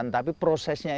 tapi prosesnya itu